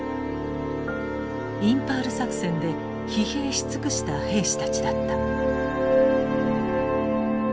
インパール作戦で疲弊し尽くした兵士たちだった。